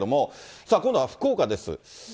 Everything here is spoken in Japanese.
さあ、今度は福岡です。